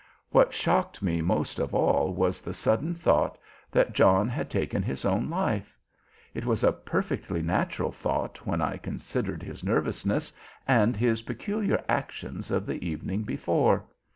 What shocked me most of all was the sudden thought that John had taken his own life. It was a perfectly natural thought when I considered his nervousness, and his peculiar actions of the evening before.